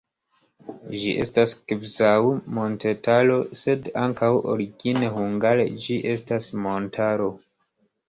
Ĝi estas kvazaŭ montetaro, sed ankaŭ origine hungare ĝi estas montaro.